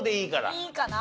いいかな？